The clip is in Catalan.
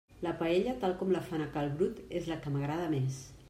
La paella tal com la fan a cal Brut és la que m'agrada més.